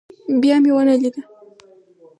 بيا مې ونه ليده.